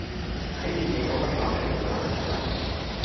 睇住幾個筆劃先打得出來